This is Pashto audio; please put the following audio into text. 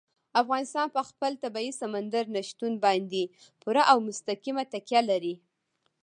افغانستان په خپل طبیعي سمندر نه شتون باندې پوره او مستقیمه تکیه لري.